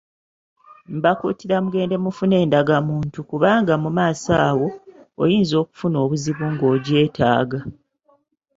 Mbakuutira mugende mufune endagamuntu kubanga mu maaso awo, oyinza okufuna obuzibu ng'ogyetaaga